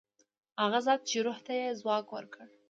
هغه ذات چې روح ته یې ځواک ورکړ.